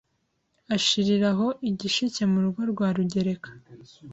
ashirira aho i Gishike mu rugo rwa Rugereka